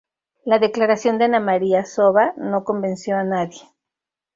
La declaración de Ana María Soba no convenció a nadie.